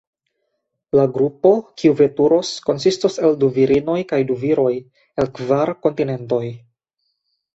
La grupo, kiu veturos, konsistos el du virinoj kaj du viroj, el kvar kontinentoj.